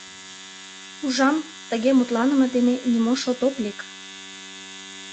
Ужам — тыге мутланыме дене нимо шот ок лек.